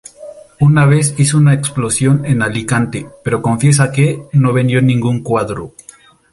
Una vez hizo una exposición en Alicante, pero confiesa que no vendió ningún cuadro.